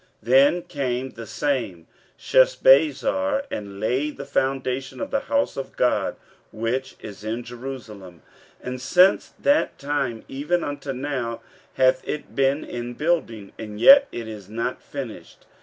15:005:016 Then came the same Sheshbazzar, and laid the foundation of the house of God which is in Jerusalem: and since that time even until now hath it been in building, and yet it is not finished.